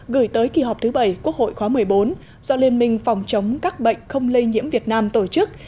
gửi tới kỳ họp thứ bảy quốc hội khóa một mươi bốn do liên minh phòng chống các bệnh không lây nhiễm việt nam tổ chức